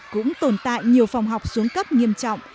cũng tồn tại nhiều phòng học xuống cấp nghiêm trọng